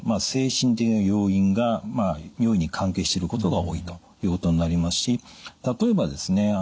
精神的な要因が尿意に関係していることが多いということになりますし例えばですね